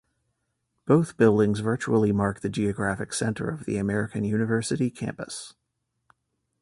Both buildings virtually mark the geographic center of the American University campus.